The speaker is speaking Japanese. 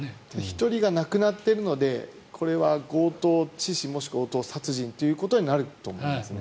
１人が亡くなっているのでこれは強盗致死もしくは強盗殺人ということになると思いますね。